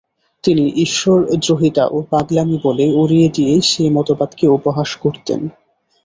তিনি ঈশ্বরদ্রোহিতা ও পাগলামি বলে উড়িয়ে দিয়ে সেই মতবাদকে উপহাস করতেন।